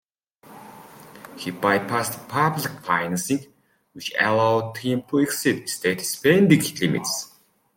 He bypassed public financing, which allowed him to exceed state spending limits.